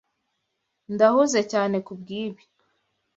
Ndahuze cyane kubwibi.